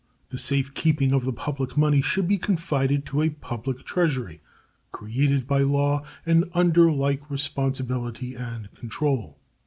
The safe keeping of the public money should be confided to a public treasury created by law and under like responsibility and control.